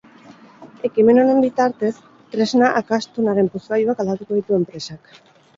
Ekimen honen bitartez, tresna akastunaren puzgailuak aldatuko ditu enpresak.